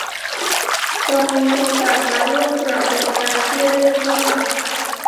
ได้มีโอกาสมาร่วมกระบวนการที่เรียกว่า